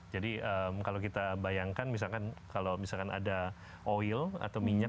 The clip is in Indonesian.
jadi kalau kita bayangkan misalkan kalau misalkan ada oil atau minyak